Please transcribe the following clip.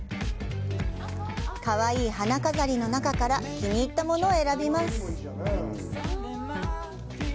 かわいい花飾りの中から気に入ったものを選びます。